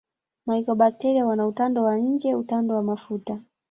Mycobacteria wana utando wa nje utando wa mafuta